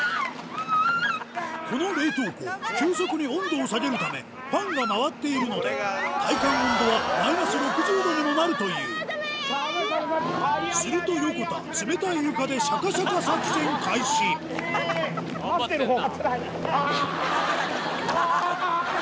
この冷凍庫急速に温度を下げるためファンが回っているので体感温度はマイナス６０度にもなるというすると横田冷たい床でシャカシャカ作戦開始あぁ！